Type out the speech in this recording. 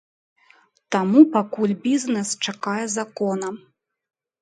Таму пакуль бізнэс чакае закона.